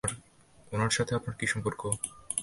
উনার সাথে আপনার কী সম্পর্ক?